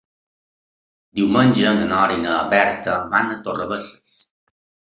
Diumenge na Nora i na Berta van a Torrebesses.